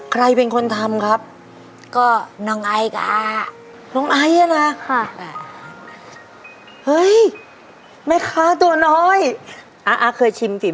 ใครเป็นคนทำครับ